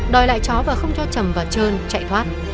đòi lại chó và không cho trầm và trơn chạy thoát